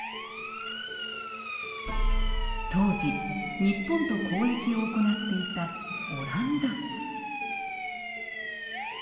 当時日本と交易を行っていたオランダ。